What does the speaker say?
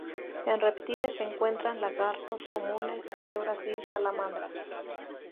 En reptiles, se encuentran lagartos comunes, culebras y salamandras.